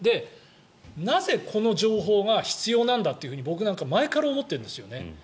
なぜ、この情報が必要なんだというふうに僕なんか前から思ってるんですよ。